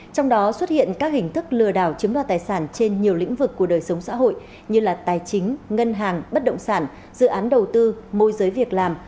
trong đó xuất hiện các hình thức lừa đảo chiếm đoạt tài sản trên nhiều lĩnh vực của đời sống xã hội như tài chính ngân hàng bất động sản dự án đầu tư môi giới việc làm